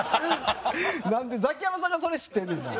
なんでザキヤマさんがそれ知ってんねんな。